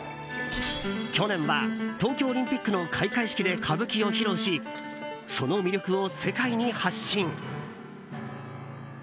去年は東京オリンピックの開会式で歌舞伎を披露しその魅力を世界に発信。